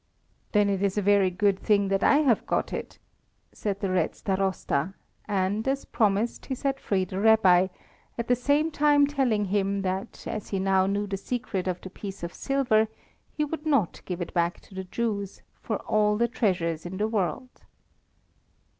"Then it is a very good thing that I have got it," said the Red Starosta, and, as promised, he set free the Rabbi, at the same time telling him that as he now knew the secret of the piece of silver, he would not give it back to the Jews for all the treasures in the world.